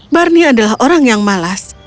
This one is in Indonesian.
marni adalah orang yang malas